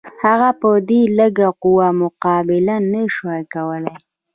هغه په دې لږه قوه مقابله نه شوای کولای.